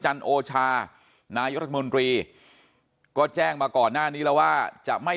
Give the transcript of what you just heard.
จันโอชานายกรัฐมนตรีก็แจ้งมาก่อนหน้านี้แล้วว่าจะไม่